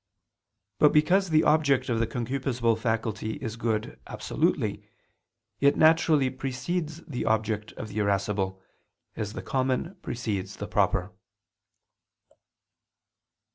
But because the object of the concupiscible faculty is good absolutely, it naturally precedes the object of the irascible, as the common precedes the proper.